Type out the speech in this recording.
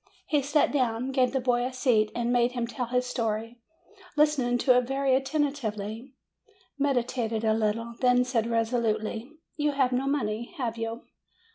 He sat down, gave the boy a seat, and made him tell his story, listening to it very attentively, meditated a little, then said resolutely, "You have no money, have you